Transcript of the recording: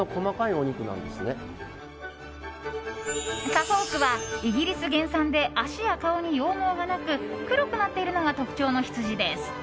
サフォークはイギリス原産で脚や顔に羊毛がなく黒くなっているのが特徴の羊です。